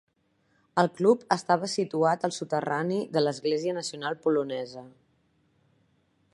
El club estava situat al soterrani de l"Església nacional polonesa.